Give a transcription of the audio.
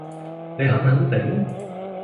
你肯肯定？